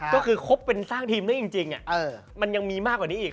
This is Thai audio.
ก็คือครบเป็นสร้างทีมได้จริงมันยังมีมากกว่านี้อีก